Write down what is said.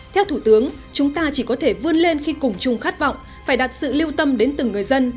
theo thủ tướng chúng ta chỉ có thể vươn lên khi cùng chung khát vọng phải đặt sự lưu tâm đến từng người dân